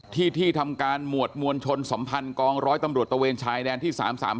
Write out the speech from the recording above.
ที่ที่ทำการหมวดมวลชนสัมพันธ์กองร้อยตำรวจตะเวนชายแดนที่๓๓